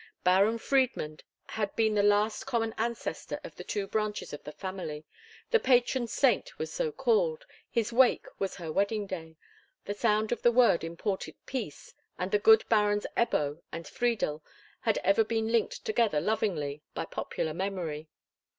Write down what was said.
Baron Friedmund had been the last common ancestor of the two branches of the family, the patron saint was so called, his wake was her wedding day, the sound of the word imported peace, and the good Barons Ebbo and Friedel had ever been linked together lovingly by popular memory.